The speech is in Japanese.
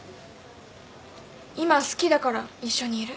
今好きだから一緒にいる。